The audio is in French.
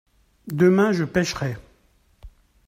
demain je pêcherai.